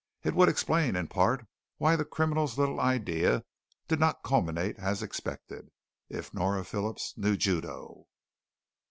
It would explain in part why the criminal's little idea did not culminate as expected. If Nora Phillips knew Judo.